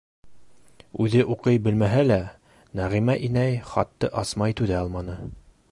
Үҙе уҡый белмәһә лә, Нәғимә инәй хатты асмай түҙә алманы.